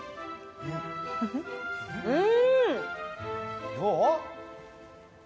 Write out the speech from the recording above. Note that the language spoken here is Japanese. うん！